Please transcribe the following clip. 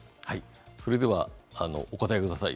それではお答えください